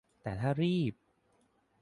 แต่ถ้ารีบ